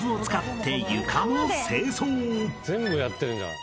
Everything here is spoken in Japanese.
全部やってるじゃん。